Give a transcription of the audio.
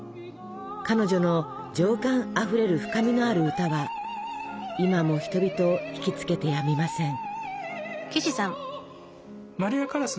彼女の情感あふれる深みのある歌は今も人々を引きつけてやみません。